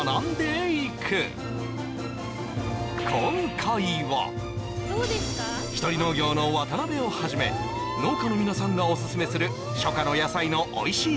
加藤がひとり農業の渡辺をはじめ農家の皆さんがオススメする初夏の野菜のおいしい